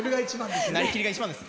なりきりが一番です。